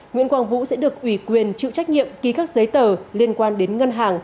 nguyễn quang vũ sẽ được ủy quyền chịu trách nhiệm ký các giấy tờ liên quan đến ngân hàng